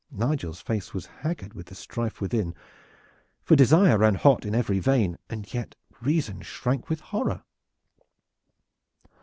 Nigel's face was haggard with the strife within, for desire ran hot in every vein, and yet reason shrank with horror.